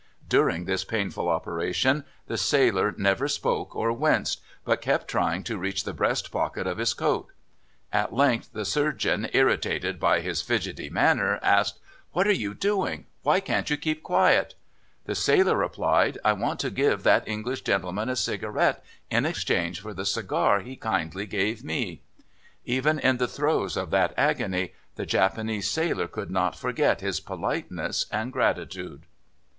During this painful operation the sailor never spoke or winced, but kept trying to reach the breast pocket of his coat. At length the surgeon, irritated by his fidgety manner, asked: 'What are you doing? Why can't you keep quiet?' "The sailor replied: 'I want to give that English gentleman a cigarette in exchange for the cigar he kindly gave me.' Even in the throes of that agony the Japanese sailor could not forget his politeness and gratitude."